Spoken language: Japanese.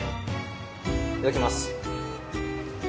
いただきます。